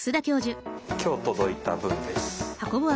今日届いた分です。